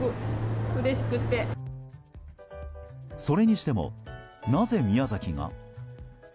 それにしても、なぜ宮崎が？